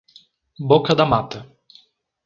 Boca da Mata